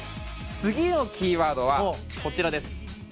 次のキーワードはこちらです。